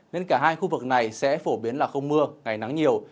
nên cả hai khu vực này sẽ phổ biến là không mưa ngày nắng nhiều